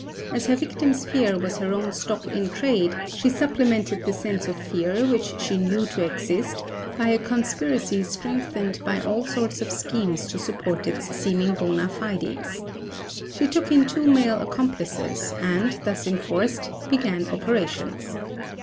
As her victim's fear was her own stock in trade she supplemented the sense of fear which she knew to exist by a conspiracy strengthened by all sorts of schemes to support its seeming bona fides. She took in two male accomplices and, thus enforced, began operations.